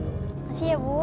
makasih ya bu